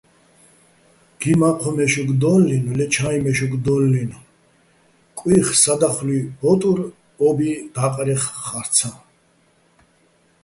გი მაჴოჼ მე́შოკ დო́ლლინო̆, ლე ჩა́იჼ მე́შოკ დო́ლლინო̆ კუჲხი̆ სადა́ხლუჲ ბო́ტურ ო́ბი და́ყრეხ ხა́რცაჼ.